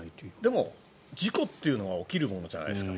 でも、事故というのは起きるものじゃないですか。